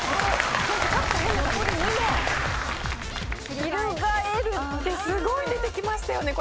ヒルガエるってすごい出てきましたよね